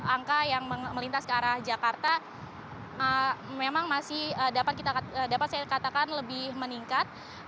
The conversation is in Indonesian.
angka yang melintas ke arah jakarta memang masih dapat saya katakan lebih meningkat